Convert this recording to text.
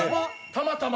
たまたま。